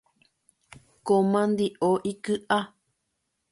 Ko mandi’o iky’a.